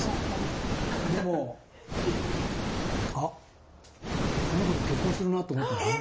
でも「あっこの子と結婚するな」と思ったんですよね。